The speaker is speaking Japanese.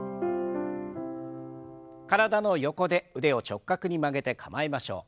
体の横で腕を直角に曲げて構えましょう。